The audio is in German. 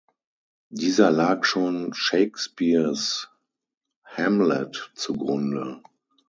Dieser lag schon Shakespeares "Hamlet" zu Grunde.